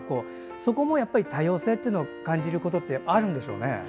そこも多様性というのを感じることってあるんでしょうね。